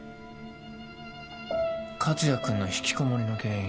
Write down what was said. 克哉君の引きこもりの原因